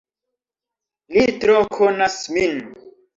Li tro konas min.